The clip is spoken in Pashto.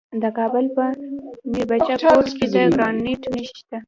د کابل په میربچه کوټ کې د ګرانیټ نښې شته.